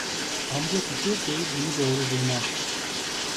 Amca Fikret Bey bunu doğru bulmaz.